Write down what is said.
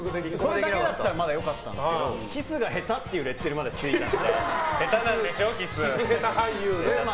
それだけだったら良かったんですけどキスが下手っていうレッテルまでついたので。